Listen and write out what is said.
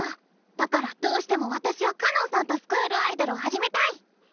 だからどうしても私はかのんさんとスクールアイドルを始めたい！